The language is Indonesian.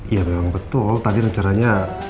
ya memang betul tadi rencananya